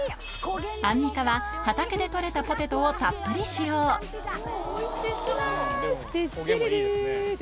アンミカは畑で採れたポテトをたっぷり使用テッテレレ！